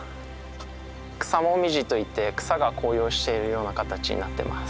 草紅葉といって草が紅葉しているような形になってます。